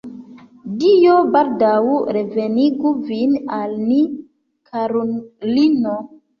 Dio baldaŭ revenigu vin al ni, karulino.